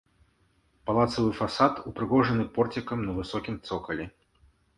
Палацавы фасад упрыгожаны порцікам на высокім цокалі.